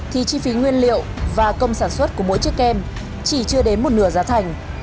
thì chi phí nguyên liệu và công sản xuất của mỗi chiếc kem chỉ chưa đến một nửa giá thành